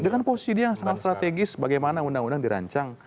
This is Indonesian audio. dengan posisi dia yang sangat strategis bagaimana undang undang dirancang